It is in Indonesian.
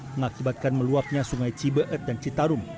mengakibatkan meluapnya sungai cibeet dan citarum